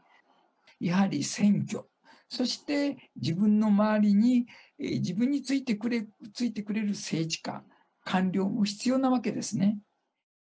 やはり選挙、そして自分の周りに、自分についてくれる政治家、官僚が必要なわけですね。